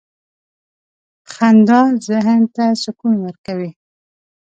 • خندا ذهن ته سکون ورکوي.